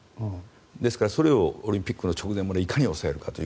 ですからオリンピックの直前までいかに抑えるかという。